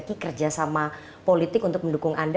dan parti saya agak kuat juga sekarang